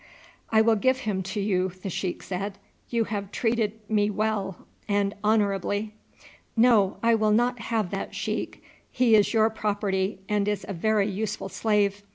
"I will give him to you," the sheik said. "You have treated me well and honourably." "No, I will not have that, sheik; he is your property, and is a very useful slave.